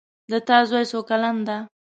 د تا زوی څو کلن ده